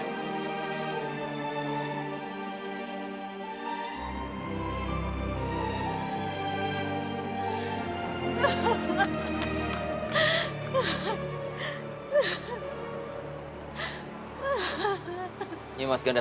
kali ininya jahatnya gitu